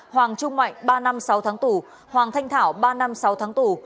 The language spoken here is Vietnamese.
hoàng trung mạnh ba năm sáu tháng tù hoàng thanh thảo ba năm sáu tháng tù